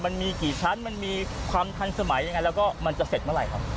มันมีกี่ชั้นมันมีความทันสมัยยังไงแล้วก็มันจะเสร็จเมื่อไหร่ครับ